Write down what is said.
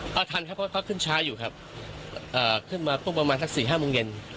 เอาทันครับเพราะเขาขึ้นช้าอยู่ครับขึ้นมาปุ๊บประมาณสัก๔๕โมงเย็น